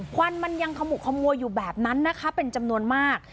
วันมันยังขมุกขมัวอยู่แบบนั้นนะคะเป็นจำนวนมาก